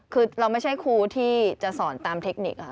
คือเราไม่ใช่ครูที่จะสอนตามเทคนิคค่ะ